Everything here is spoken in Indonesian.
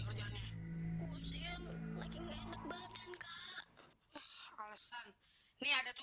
mas aku udah telanjur sakit hati